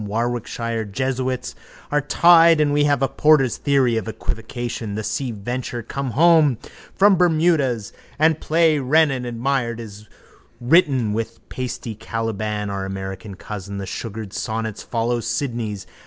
Warwickshire jesuits are tried and we have a porter's theory of equivocation. The Sea Venture comes home from Bermudas and the play Renan admired is written with Patsy Caliban, our American cousin. The sugared sonnets follow Sidney's.